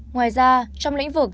ngoài ra trong lĩnh vực